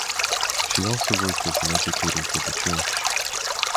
She also worked as an educator for the church.